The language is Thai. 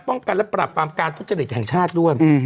ป้องกันและปราบปรามการทุจริตแห่งชาติด้วย